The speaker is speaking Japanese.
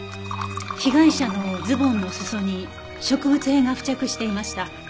被害者のズボンの裾に植物片が付着していました。